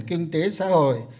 kinh tế xã hội